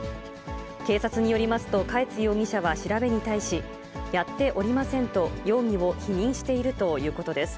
警察によりますと、嘉悦容疑者は調べに対し、やっておりませんと容疑を否認しているということです。